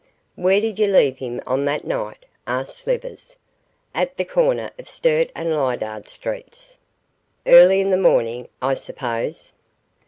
'Where did you leave him on that night?' asked Slivers. 'At the corner of Sturt and Lydiard Streets.' 'Early in the morning, I suppose?